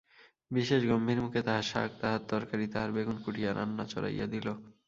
বিশেষ গম্ভীরমুখে তাহার শাক, তাহার তরকারি, তাহার বেগুন কুটিয়া রান্না চড়াইয়া দিল।